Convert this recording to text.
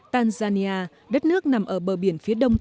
tanzania đất nước nằm ở bờ biển phía đông trung quốc